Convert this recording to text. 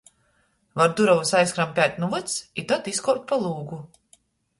Var durovys aizkrampēt nu vyds i tod izkuopt par lūgu.